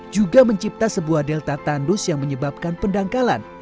juga mencipta sebuah delta tandus yang menyebabkan pendangkalan